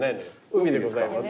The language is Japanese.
海でございます。